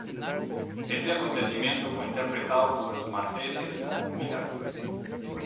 Este acontecimiento fue interpretado por los malteses como un milagro.